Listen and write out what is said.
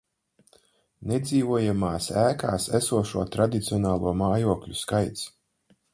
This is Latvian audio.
Nedzīvojamās ēkās esošo tradicionālo mājokļu skaits